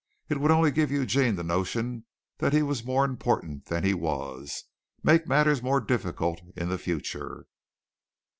It would only give Eugene the notion that he was more important than he was make matters more difficult in the future.